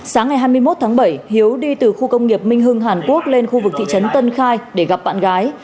sáng ngày hai mươi một tháng bảy hiếu đi từ khu công nghiệp minh hưng hàn quốc lên khu vực thị trấn tân khai để gặp bạn gái